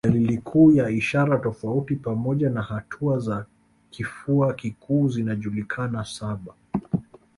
Dalili kuu na ishara tofauti pamoja na hatua za kifua kikuu zinajulikana saba